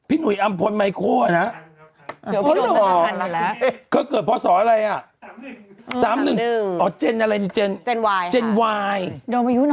เออทำไมเชิญคราวเดียวเบรกเลยอะลูก